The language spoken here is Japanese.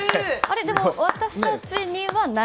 でも、私たちにはない？